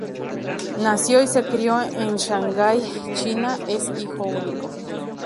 Nació y se crió en Shanghai, China, es hijo único.